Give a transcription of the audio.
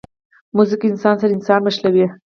موزیک انسان سره انسان نښلوي.